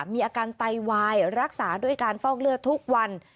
มีอาการไตวายรักษาด้วยการฟอกเลือดทุกวัน